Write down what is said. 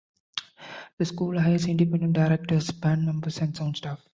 The school hires independent directors, band members and sound staff.